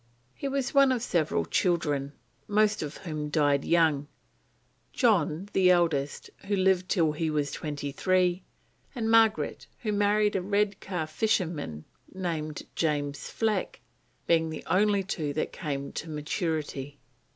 He was one of several children, most of whom died young; John, the eldest, who lived till he was twenty three, and Margaret, who married a Redcar fisherman named James Fleck, being the only two that came to maturity.